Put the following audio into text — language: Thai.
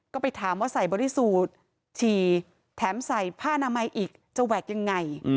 ก็ไปถามว่าใส่บอดี้สูตรฉี่แถมใส่ผ้านามัยอีกจะแหวกยังไง